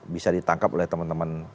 bisa ditangkap oleh teman teman